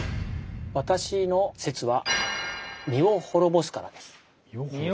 私の説は「身を滅ぼすから」です。